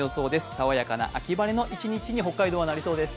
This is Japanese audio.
爽やかな秋晴れの陽気に今日は北海道なりそうです。